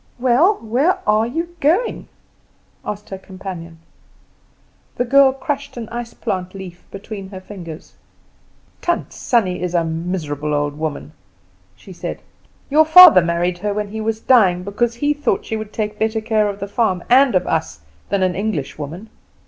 "Well, where are you going?" asked her companion. The girl crushed an ice plant leaf between her fingers. "Tant Sannie is a miserable old woman," she said. "Your father married her when he was dying, because he thought she would take better care of the farm, and of us, than an English woman.